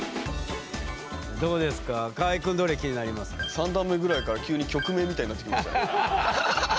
３段目ぐらいから急に曲名みたいになってきました。